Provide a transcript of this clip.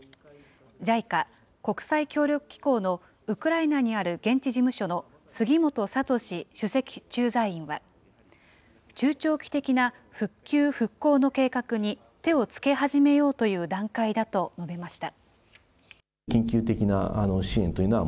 ＪＩＣＡ・国際協力機構のウクライナにある現地事務所の杉本聡首席駐在員は、中長期的な復旧・復興の計画に手をつけ始めようという段階だと述べました。